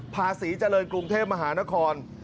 ภาษีเจริญกรุงเทพมหานคร